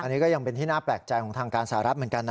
อันนี้ก็ยังเป็นที่น่าแปลกใจของทางการสหรัฐเหมือนกันนะ